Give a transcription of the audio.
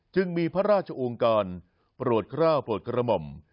จึงมีพระราชองค์กรโปรดกล้าวโปรดกระหม่อม